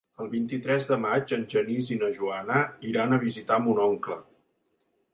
El vint-i-tres de maig en Genís i na Joana iran a visitar mon oncle.